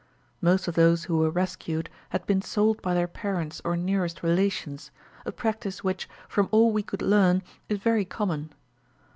Most of those who were rescued had been sold by their parents or nearest relations, a practice which, from all we could learn, is very common.